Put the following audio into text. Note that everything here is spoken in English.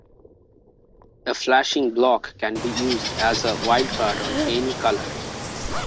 A flashing block can be used as a wildcard on any colour.